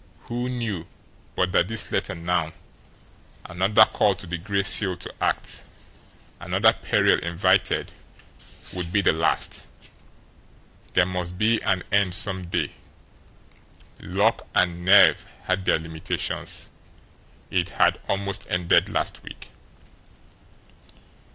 Who knew but that this letter now, another call to the Gray Seal to act, another peril invited, would be the LAST? There must be an end some day; luck and nerve had their limitations it had almost ended last week!